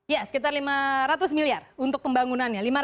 ya sekitar lima ratus miliar untuk pembangunannya